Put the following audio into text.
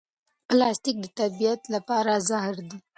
پلاستیک د طبیعت لپاره زهر دی.